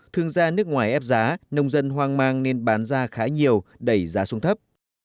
thương ra nước ngoài ép giá nông dân hoang mang nên bán ra khá nhiều đẩy giá xuống thấp